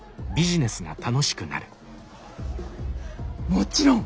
もちろん！